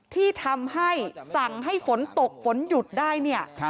ที่ทำให้สั่งให้ฝนตกฝนหยุดได้เนี่ย